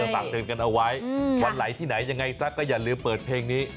ฝากเตือนกันเอาไว้วันไหนที่ไหนยังไงซะก็อย่าลืมเปิดเพลงนี้